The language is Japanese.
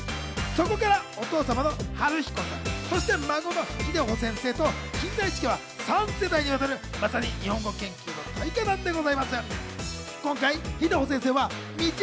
そこからお父様の春彦さん、そして孫の秀穂先生と金田一家は３世代にわたる、まさに日本語研究の大家なんです。